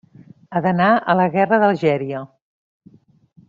Ha d'anar a la guerra d'Algèria.